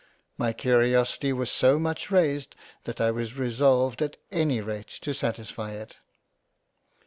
My Curiosity was so much raised, that I was resolved at any rate to satisfy it.